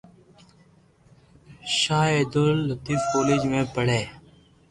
ݾاھ ابدول لتيف ڪوليج مون پڙي